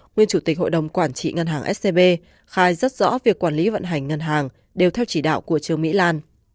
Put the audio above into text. nguyên chủ tịch hội đồng quản trị ngân hàng scb khai rất rõ việc quản lý vận hành ngân hàng đều theo chỉ đạo của trương mỹ lan